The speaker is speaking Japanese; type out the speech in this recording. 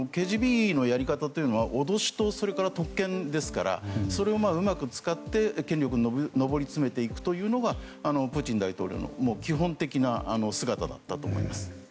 ＫＧＢのやり方は脅しと特権ですからそれをうまく使って権力を上り詰めていくというのがプーチン大統領の基本的な姿だったと思います。